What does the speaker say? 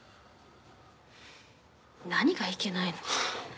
何がいけないの？